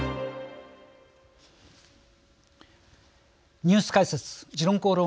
ニュース解説「時論公論」。